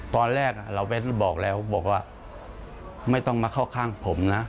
ตอนแรกเราไปบอกแล้วบอกว่าไม่ต้องมาเข้าข้างผมนะ